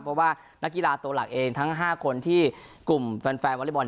เพราะว่านักกีฬาตัวหลักเองทั้ง๕คนที่กลุ่มแฟนวอเล็กบอล